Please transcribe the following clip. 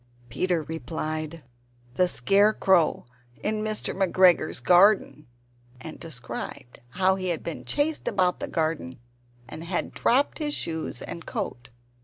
Peter replied, "The scarecrow in Mr. McGregor's garden," and described how he had been chased about the garden, and had dropped his shoes and coat.